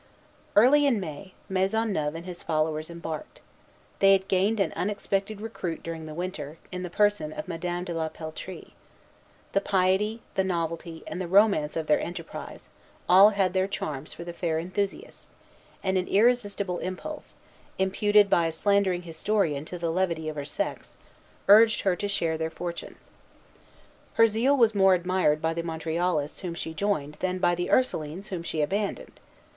Early in May, Maisonneuve and his followers embarked. They had gained an unexpected recruit during the winter, in the person of Madame de la Peltrie. The piety, the novelty, and the romance of their enterprise, all had their charms for the fair enthusiast; and an irresistible impulse imputed by a slandering historian to the levity of her sex urged her to share their fortunes. Her zeal was more admired by the Montrealists whom she joined than by the Ursulines whom she abandoned.